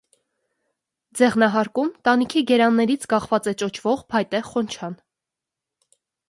Ձեղնահարկում, տանիքի գերաններից կախված էր ճոճվող, փայտե «խոնչան»։